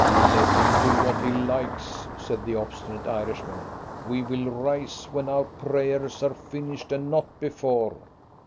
"Let him do what he likes!" said the obstinate Irishman; "we will rise when our prayers are finished, and not before."